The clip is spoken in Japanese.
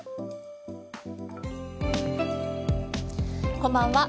こんばんは。